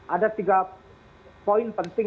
ada tiga poin penting